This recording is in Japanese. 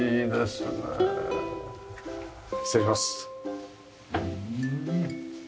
失礼します。